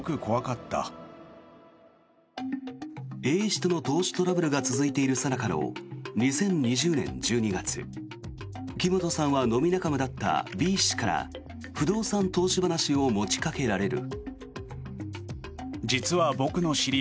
Ａ氏との投資トラブルが続いているさなかの２０２０年１２月木本さんは飲み仲間だったＢ氏から不動産投資話を持ちかけられる。